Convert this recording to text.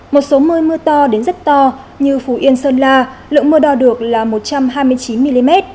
một số nơi mưa to đến rất to như phú yên sơn la lượng mưa đo được là một trăm hai mươi chín mm